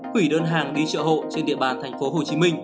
quỷ đơn hàng đi trợ hộ trên địa bàn tp hcm